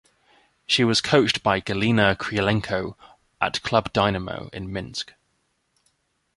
She was coached by Galina Krylenko at Club Dynamo in Minsk.